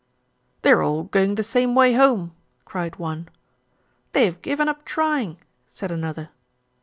"They're all going the same way home," cried one. "They've given up trying," said another.